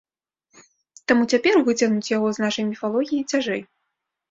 Таму цяпер выцягнуць яго з нашай міфалогіі цяжэй.